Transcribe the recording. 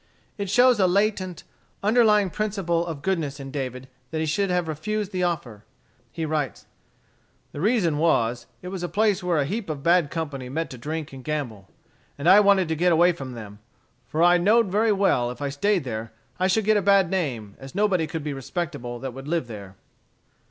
It shows a latent, underlying principle of goodness in David, that he should have refused the offer. He writes: "The reason was, it was a place where a heap of bad company met to drink and gamble; and I wanted to get away from them, for I know'd very well, if I staid there, I should get a bad name, as nobody could be respectable that would live there."